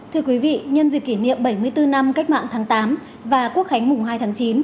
thưa quý vị nhân dịp kỷ niệm bảy mươi bốn năm cách mạng tháng tám và quốc khánh mùng hai tháng chín